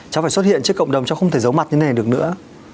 cháu phải xuất hiện trước cộng đồng chứ không thể giấu mặt như thế này được nữa